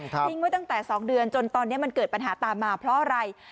ทิ้งไว้ตั้งแต่๒เดือนจนตอนนี้มันเกิดปัญหาตามมาเพราะอะไร